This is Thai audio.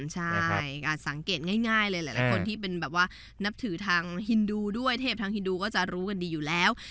ใช่สังเกตง่ายเลยหลายคนที่เป็นแบบว่านับถือทางฮินดูด้วยเทพทางฮินดูก็จะรู้กันดีอยู่แล้ว